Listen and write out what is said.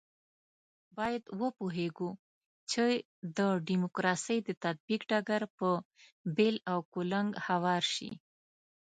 باید وپوهېږو چې د ډیموکراسۍ د تطبیق ډګر په بېل او کلنګ هوار شي.